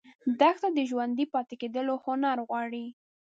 دښته د ژوندي پاتې کېدو هنر غواړي.